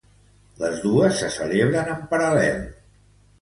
Les dos se celebren en paral·lel.